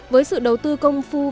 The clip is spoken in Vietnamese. với sự đầu tư công phu và tâm trí